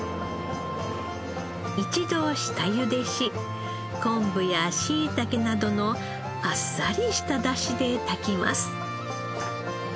一度下ゆでし昆布やシイタケなどのあっさりした出汁で炊きます。